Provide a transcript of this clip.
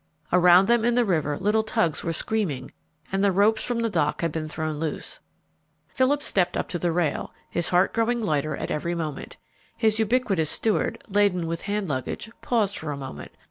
Around them in the river little tugs were screaming, and the ropes from the dock had been thrown loose. Philip stepped to the rail, his heart growing lighter at every moment. His ubiquitous steward, laden with hand luggage, paused for a moment.